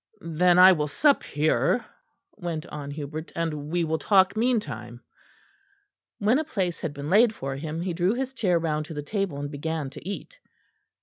"Then I will sup here," went on Hubert, "and we will talk meantime." When a place had been laid for him, he drew his chair round to the table and began to eat.